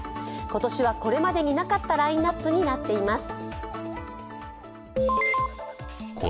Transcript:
今年はこれまでになかったラインナップになっています。